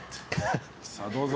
さあどうぞ。